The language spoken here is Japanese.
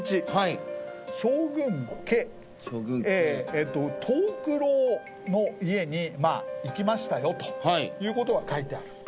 将軍家藤九郎の家に行きましたよということが書いてある。